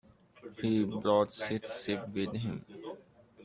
He brought six sheep with him.